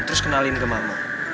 terus kenalin ke mama